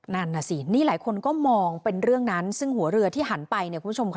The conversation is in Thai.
นั่นน่ะสินี่หลายคนก็มองเป็นเรื่องนั้นซึ่งหัวเรือที่หันไปเนี่ยคุณผู้ชมค่ะ